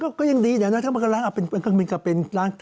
ก็ยังดีถ้ามันกำลังเป็นการล้าง